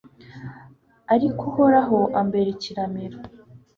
ariko Uhoraho ambera ikiramiro